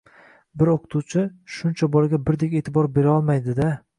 «bir o‘qituvchi shuncha bolaga birdek e’tibor berolmaydi-da!»